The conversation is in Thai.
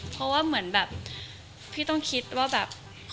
เพราะว่าเหมือนแบบพี่ต้องคิดว่าแบบ